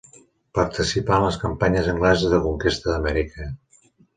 Participà en les campanyes angleses de conquesta d'Amèrica.